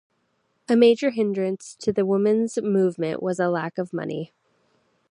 A major hindrance to the women's movement was a lack of money.